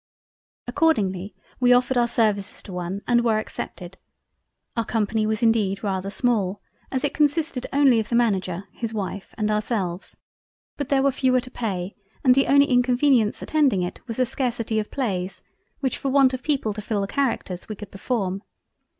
Accordingly we offered our services to one and were accepted; our Company was indeed rather small, as it consisted only of the Manager his wife and ourselves, but there were fewer to pay and the only inconvenience attending it was the Scarcity of Plays which for want of People to fill the Characters, we could perform.